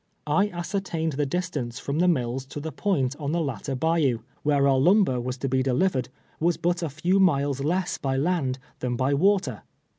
I ascertained the distance from the mills to the point on the latter bayou, where our lumber was to be delivered, was but a few miles less by land than by water.